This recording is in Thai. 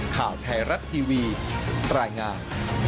ข่าวไทยรัฐทีวีรายงาน